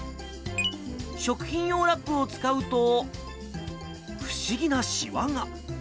食品用ラップを使うと、不思議なしわが。